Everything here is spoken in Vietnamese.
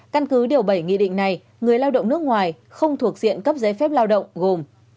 căn cứ điều bảy nghị định này người lao động nước ngoài không thuộc diện cấp giấy phép lao động gồm